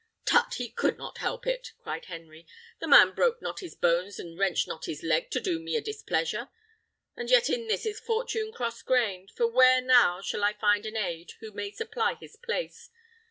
"Tut! he could not help it," cried Henry. "The man broke not his bones and wrenched not his leg to do me a displeasure; and yet in this is Fortune cross grained; for where now shall I find an aid who may supply his place?